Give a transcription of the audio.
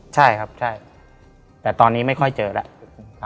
ใช่ครับใช่แต่ตอนนี้ไม่ค่อยเจอแล้ว